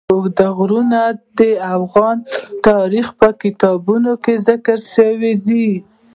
اوږده غرونه د افغان تاریخ په کتابونو کې ذکر شوی دي.